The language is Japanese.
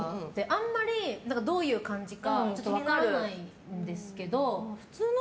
あんまりどういう感じかちょっと分からないんですけど。